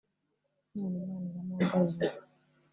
none Imana iramungaruriye